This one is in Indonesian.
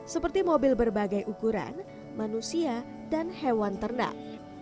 seperti mobil berbagai ukuran manusia dan hewan ternak